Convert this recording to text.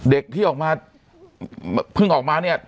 เด็กที่ออกมาเพิ่งออกมาเนี่ย